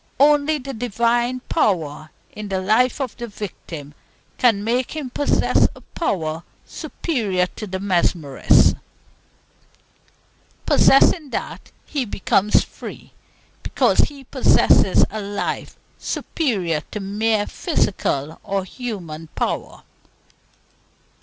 Only the Divine power in the life of the victim can make him possess a power superior to the mesmerist's. Possessing that, he becomes free, because he possesses a life superior to mere physical or human power.